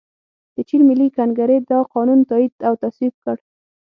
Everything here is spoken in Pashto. د چین ملي کنګرې دا قانون تائید او تصویب کړ.